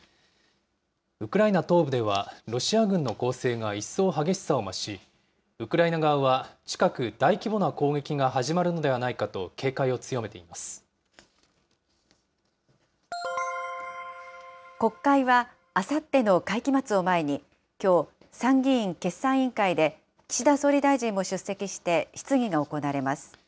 ウクライナ東部ではロシア軍の攻勢が一層激しさを増し、ウクライナ側は近く、大規模な攻撃が始まるのではないかと警戒を強め国会は、あさっての会期末を前に、きょう、参議院決算委員会で、岸田総理大臣も出席して質疑が行われます。